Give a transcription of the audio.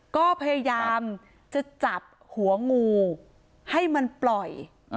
ก็พยายามจะจับหัวงูให้มันปล่อย